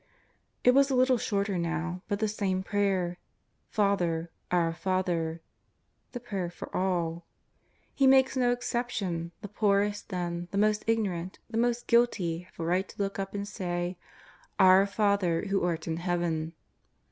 It was a little shorter now, but the same prayer. ^^ Father, Our Father "— the prayer for all. He makes no exception ; the poorest, then, the most ignorant, the most guilty have a right to look up and say :*' Our Father who art in Heaven."